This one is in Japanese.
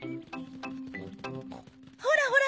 ほらほら